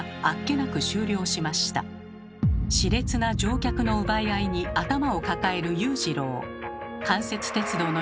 熾烈な乗客の奪い合いに頭を抱える勇次郎。